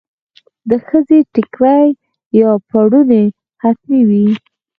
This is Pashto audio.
د ښځو ټیکری یا پړونی حتمي وي.